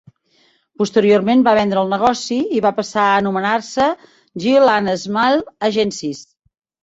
Posteriorment va vendre el negoci i va passar a anomenar-se Gill and Schmall Agencies.